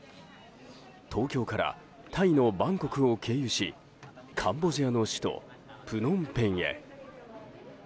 東京からタイのバンコクを経由しカンボジアの首都プノンペンへ。